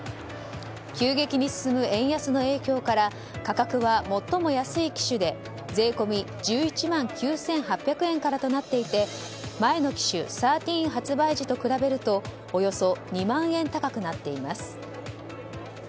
急激に進む円安の影響から価格は最も安い機種で税込み１１万９８００円からとなっていて前の機種、１３発売時と比べるとおよそ２万円高くなっています。